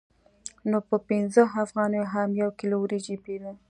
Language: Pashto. نو په پنځه افغانیو هم یو کیلو وریجې پېرو